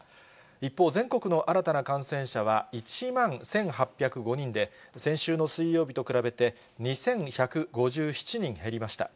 一方、全国の新たな感染者は、１万１８０５人で、先週の水曜日と比べて２１５７人減りました。